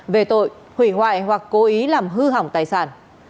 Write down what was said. về tội hủy hoại hoặc cố ý làm hư hỏng tài sản